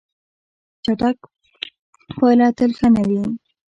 چټک پایله تل ښه نه وي.